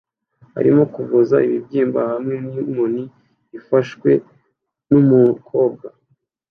arimo kuvuza ibibyimba hamwe ninkoni ifashwe numukobwa